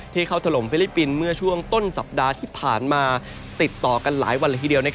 เข้าถล่มฟิลิปปินส์เมื่อช่วงต้นสัปดาห์ที่ผ่านมาติดต่อกันหลายวันละทีเดียว